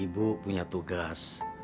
ibu punya tugas